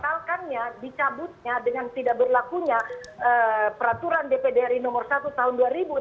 pasalnya dicabutnya dengan tidak berlakunya peraturan dpd ri nomor satu tahun dua ribu enam belas